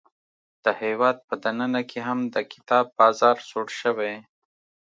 د هیواد په دننه کې هم د کتاب بازار سوړ شوی.